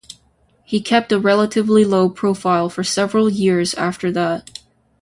He kept a relatively low profile for several years after that.